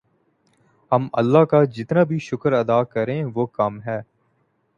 ہم اللہ کا جتنا بھی شکر ادا کریں وہ کم ہے